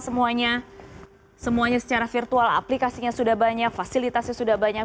semuanya secara virtual aplikasinya sudah banyak fasilitasnya sudah banyak